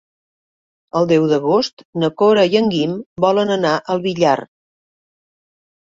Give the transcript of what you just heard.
El deu d'agost na Cora i en Guim volen anar al Villar.